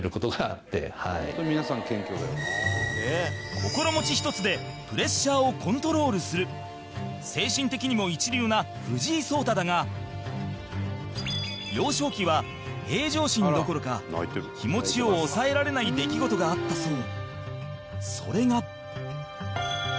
心持ちひとつでプレッシャーをコントロールする精神的にも一流な藤井聡太だが幼少期は、平常心どころか気持ちを抑えられない出来事があったそう。